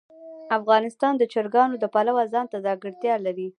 افغانستان د چرګان د پلوه ځانته ځانګړتیا لري.